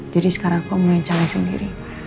jadi sekarang aku mau mencari sendiri